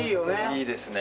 いいですね。